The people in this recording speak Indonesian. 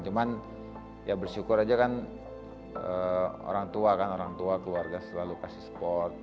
cuman ya bersyukur aja kan orang tua kan orang tua keluarga selalu kasih support